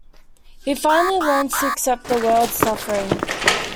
He finally learns to accept the world's suffering.